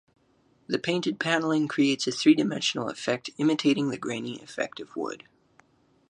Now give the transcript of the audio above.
The painted panelling creates a three-dimensional effect imitating the grainy effect of wood.